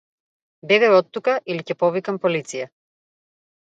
Бегај оттука или ќе повикам полиција.